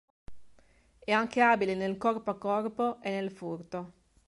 È anche abile nel corpo a corpo e nel furto.